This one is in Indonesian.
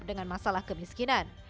dengan masalah kemiskinan